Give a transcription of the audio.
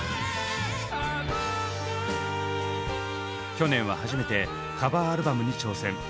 去年は初めてカバーアルバムに挑戦。